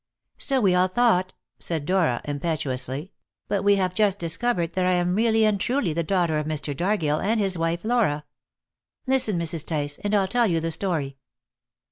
"So we all thought," said Dora impetuously; "but we have just discovered that I am really and truly the daughter of Mr. Dargill and his wife Laura. Listen, Mrs. Tice, and I'll tell you the story."